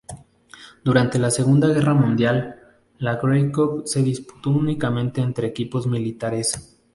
Durante la Segunda Guerra Mundial, la Grey Cup se disputó únicamente entre equipos militares.